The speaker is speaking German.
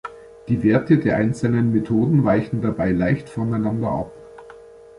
Die Werte der einzelnen Methoden weichen dabei leicht voneinander ab.